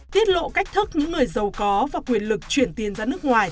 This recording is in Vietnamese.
tiết lộ cách thức những người giàu có và quyền lực chuyển tiền ra nước ngoài